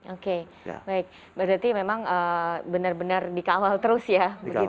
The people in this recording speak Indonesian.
oke baik berarti memang benar benar dikawal terus ya